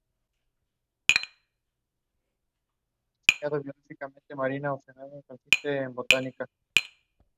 The film is considered as one of best African movies.